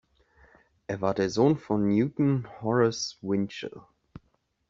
Er war der Sohn von Newton Horace Winchell.